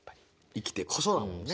生きてこそだもんね。